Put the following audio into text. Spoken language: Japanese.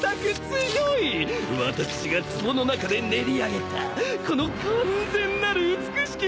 私が壺の中で練り上げたこの完全なる美しき